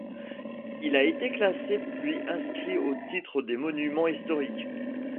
Il a été classé puis inscrit au titre des monuments historiques.